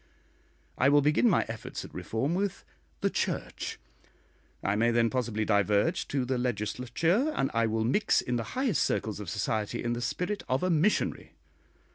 I will begin my efforts at reform with the Church; I may then possibly diverge to the Legislature, and I will mix in the highest circles of society in the spirit of a missionary.